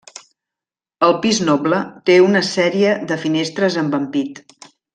El pis noble té una sèrie de finestres amb ampit.